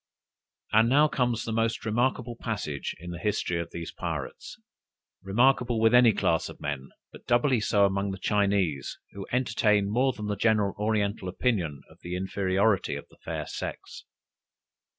And now comes the most remarkable passage in the history of these pirates remarkable with any class of men, but doubly so among the Chinese, who entertain more than the general oriental opinion of the inferiority of the fair sex.